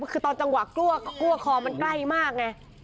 คือตอนจังหวะกลัวคอมันใกล้มากไง